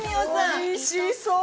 ◆おいしそう！